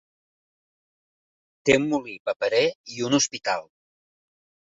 Té un molí paperer i un hospital.